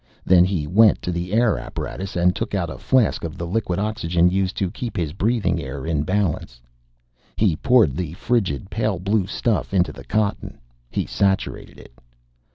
Then he went to the air apparatus and took out a flask of the liquid oxygen used to keep his breathing air in balance. He poured the frigid, pale blue stuff into the cotton. He saturated it.